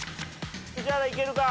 宇治原いけるか？